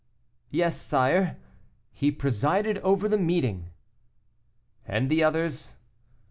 "Yes, sire; he presided over the meeting." "And the others?"